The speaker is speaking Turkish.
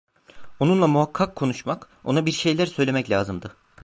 Onunla muhakkak konuşmak, ona bir şeyler söylemek lazımdı.